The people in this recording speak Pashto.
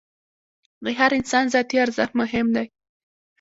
د هر انسان ذاتي ارزښت مهم دی.